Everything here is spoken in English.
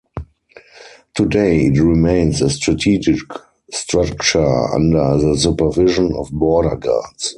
Today, it remains a strategic structure under the supervision of border guards.